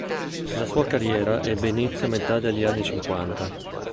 La sua carriera ebbe inizio a metà degli anni cinquanta.